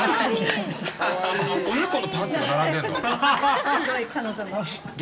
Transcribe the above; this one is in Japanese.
親子のパンツが並んでるの？